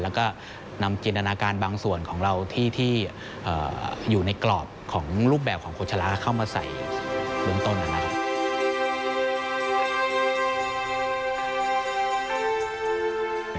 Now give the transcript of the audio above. แล้วก็นำจินตนาการบางส่วนของเราที่อยู่ในกรอบของรูปแบบของโชชะลาเข้ามาใส่เบื้องต้นนะครับ